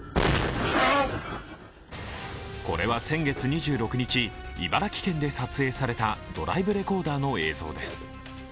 これは先月２６日、茨城県で撮影されたドライブレコーダーの映像です。